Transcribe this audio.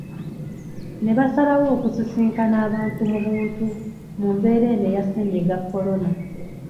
Ne basalawo okusisinkana abantu mu buntu mu mbeera eno eya ssennyiga korona.